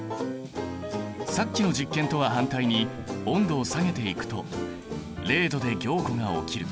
さっきの実験とは反対に温度を下げていくと０℃で凝固が起きる。